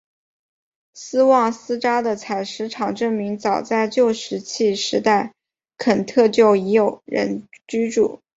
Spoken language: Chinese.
斯旺斯扎的采石场证明早在旧石器时代肯特就已有人居住。